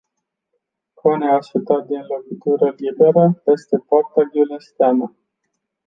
Kone a șutat din lovitură liberă peste poarta giuleșteană.